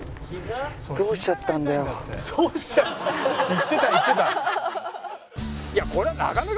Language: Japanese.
言ってた言ってた。